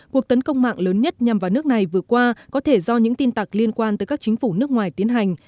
cuộc tấn công mạng lớn nhất nhằm vào nước này vừa qua có thể do những tin tặc liên quan tới các chính phủ nước ngoài tiến hành